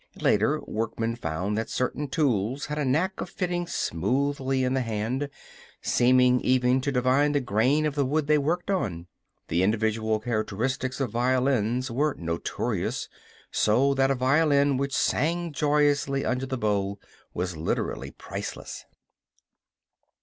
Later, workmen found that certain tools had a knack of fitting smoothly in the hand seeming even to divine the grain of the wood they worked on. The individual characteristics of violins were notorious, so that a violin which sang joyously under the bow was literally priceless.